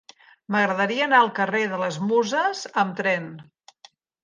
M'agradaria anar al carrer de les Muses amb tren.